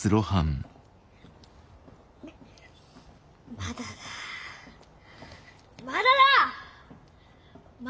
まだだまだだッ！